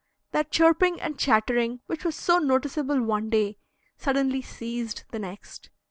Their chirping and chattering, which was so noticeable one day, suddenly ceased the next.